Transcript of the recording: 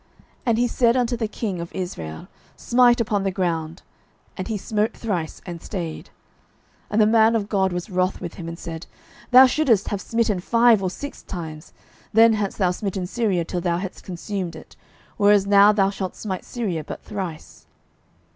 And he said unto the king of Israel, Smite upon the ground. And he smote thrice, and stayed. 12:013:019 And the man of God was wroth with him, and said, Thou shouldest have smitten five or six times; then hadst thou smitten Syria till thou hadst consumed it: whereas now thou shalt smite Syria but thrice.